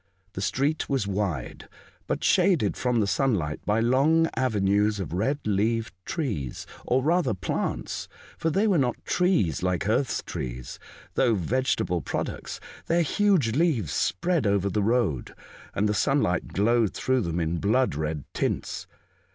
The street was wide, but shaded from the sunlight by long avenues of red leaved trees — or rather plants, for they were not trees like earth's trees, though vegetable products ; their huge leaves spread over the road, and the sunlight glowed through them in blood red tints.